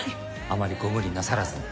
あまりご無理なさらずに。